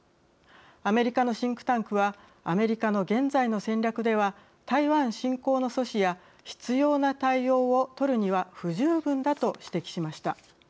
アメリカのシンクタンクは「アメリカの現在の戦略では台湾侵攻の阻止や必要な対応をとるには不十分だ」と指摘しました。